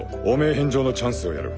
返上のチャンスをやる。